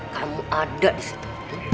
kamu ada di situ